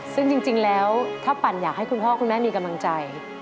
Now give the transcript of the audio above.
ซึ่งจริงแล้วถ้าปั่นอยากให้คุณพ่อคุณแม่มีกำลังใจ